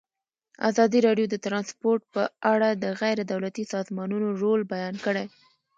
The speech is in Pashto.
ازادي راډیو د ترانسپورټ په اړه د غیر دولتي سازمانونو رول بیان کړی.